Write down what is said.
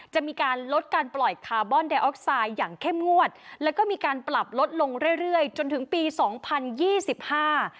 จะมีการลดการปล่อยคาร์บอนไดออกไซด์อย่างเข้มงวดแล้วก็มีการปรับลดลงเรื่อยเรื่อยจนถึงปีสองพันยี่สิบห้า